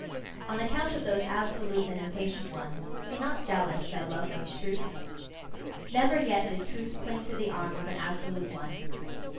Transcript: On account of those absolute and impatient ones, be not jealous, thou lover of truth! Never yet did truth cling to the arm of an absolute one.